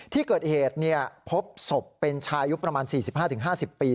ที่เกิดเหตุพบศพเป็นชายุคประมาณ๔๕๕๐ปี